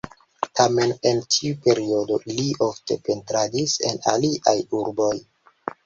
Tamen en tiu periodo li ofte pentradis en aliaj urboj.